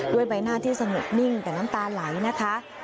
ใบหน้าที่สงบนิ่งแต่น้ำตาไหลนะคะ